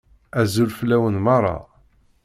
Azul fell-awen meṛṛa.